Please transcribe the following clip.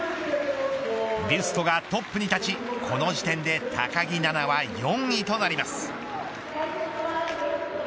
ビュストがトップに立ちこの時点で高木菜那は４位となります。